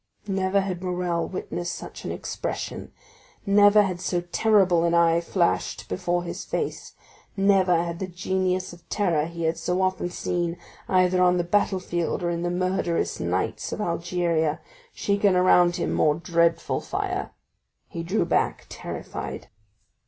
Never had Morrel witnessed such an expression—never had so terrible an eye flashed before his face—never had the genius of terror he had so often seen, either on the battle field or in the murderous nights of Algeria, shaken around him more dreadful fire. He drew back terrified.